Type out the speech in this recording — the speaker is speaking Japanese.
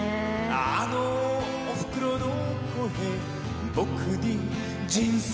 あのおふくろの声